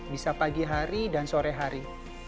bisa pagi hari dan sore hari